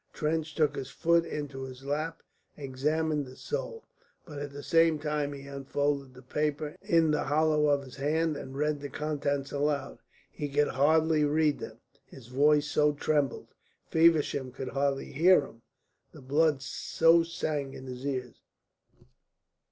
Trench took his foot into his lap and examined the sole. But at the same time he unfolded the paper in the hollow of his hand and read the contents aloud. He could hardly read them, his voice so trembled. Feversham could hardly hear them, the blood so sang in his ears.